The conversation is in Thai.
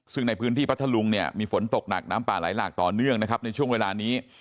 ซึ่งในพื้นที่พัทธลุงมีฝนตกหนักน้ำป่าหลายหลากต่อเนื่องในช่วงเวลานี้